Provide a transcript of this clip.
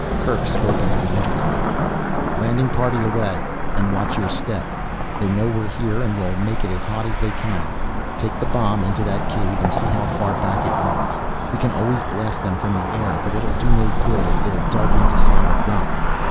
Kerk spoke into the intercom. "Landing party away and watch your step. They know we're here and will make it as hot as they can. Take the bomb into that cave and see how far back it runs. We can always blast them from the air, but it'll do no good if they're dug into solid rock.